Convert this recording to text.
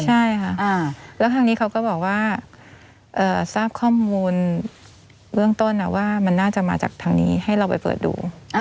ใช่ค่ะแล้วทางนี้เขาก็บอกว่าทราบข้อมูลเบื้องต้นว่ามันน่าจะมาจากทางนี้ให้เราไปเปิดดู